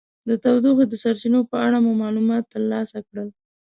د تودوخې د سرچینو په اړه مو معلومات ترلاسه کړل.